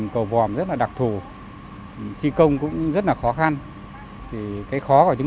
cầu phật tích một công trình được xây dựng trên dòng sông đuống